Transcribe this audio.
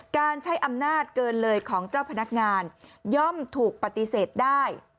การใช้อำนาจเกินเลยของเจ้าพนักงานย่อมถูกปฏิเสธได้